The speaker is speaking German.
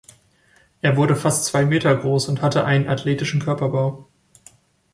Er wurde fast zwei Meter groß und hatte einen athletischen Körperbau.